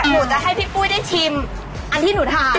หนูจะให้พี่ปุ้ยได้ชิมอันที่หนูทาน